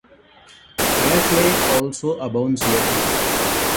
Fire clay also abounds locally.